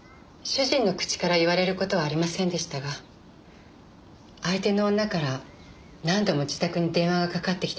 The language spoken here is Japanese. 主人の口から言われる事はありませんでしたが相手の女から何度も自宅に電話がかかってきてたんで。